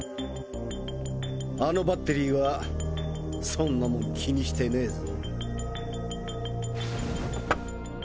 あのバッテリーはそんなもん気にしてねぇぞ。